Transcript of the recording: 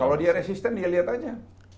kalau dia resisten dia lihat aja